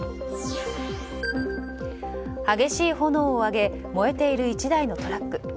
激しい炎を上げて燃えている１台のトラック。